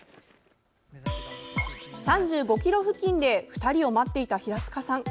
３５ｋｍ付近で２人を待っていた平塚さん。